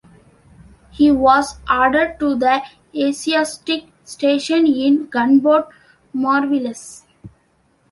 He was ordered to the Asiatic Station in gunboat "Mariveles".